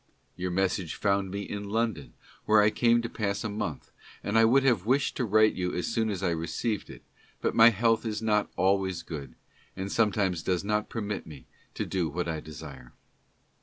Your message found me in London, where I came to pass a month, and I would have wished to write you as soon as I received it ; but my health is not always good, and sometimes does not permit me to do what I desire.